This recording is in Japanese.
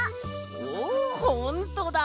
おほんとだ！